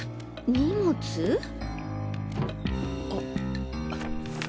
荷物？あっ。